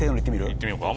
言ってみようか？